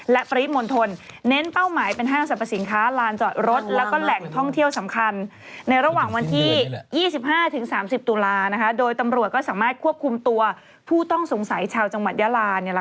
และประวิทย์มณฑล